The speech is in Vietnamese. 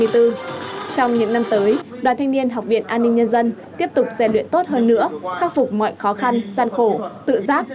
trong những năm tới đoàn thanh niên học viện an ninh nhân dân tiếp tục rèn luyện tốt hơn nữa khắc phục mọi khó khăn gian khổ tự giác